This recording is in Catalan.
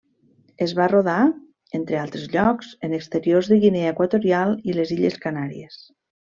Es va rodar, entre altres llocs, en exteriors de Guinea Equatorial i les Illes Canàries.